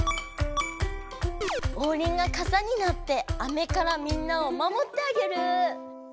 オウリンがかさになって雨からみんなをまもってあげる。